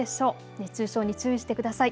熱中症に注意してください。